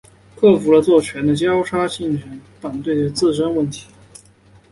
克服了做醛的交叉羟醛反应时醛的自身缩合问题。